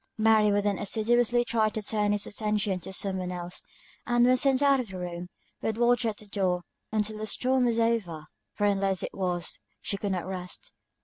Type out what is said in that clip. Mary would then assiduously try to turn his attention to something else; and when sent out of the room, would watch at the door, until the storm was over, for unless it was, she could not rest.